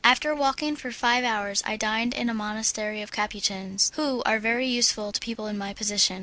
After walking for five hours I dined in a monastery of Capuchins, who are very useful to people in my position.